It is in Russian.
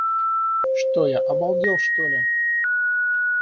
Что я, обалдел что ли?